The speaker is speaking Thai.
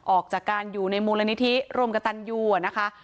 ออกจากการอยู่ในมูลนิธิร่วมกับตันยูนะคะ